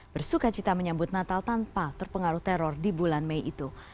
bersuka cita menyambut natal tanpa terpengaruh teror di bulan mei itu